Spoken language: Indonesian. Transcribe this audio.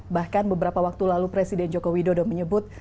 bahkan beberapa waktu lalu presiden joko widodo menyebut